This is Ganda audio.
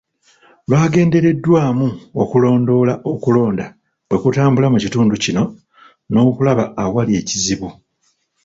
Lwagendereddwamu okulondoola okulonda bwe kutambula mu kitundu kino, n'okulaba awali ekizibu.